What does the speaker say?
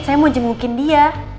saya mau jengukin dia